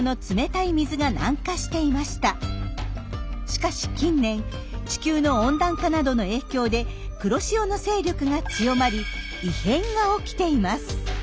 しかし近年地球の温暖化などの影響で黒潮の勢力が強まり「異変」が起きています。